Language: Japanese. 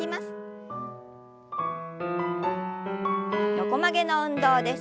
横曲げの運動です。